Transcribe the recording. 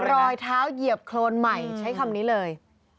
รอยเท้าเหยียบโครนใหม่ใช้คำนี้เลย